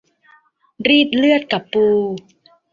รีดเลือดกับปู